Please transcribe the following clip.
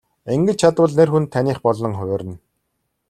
Ингэж чадвал нэр хүнд таных болон хувирна.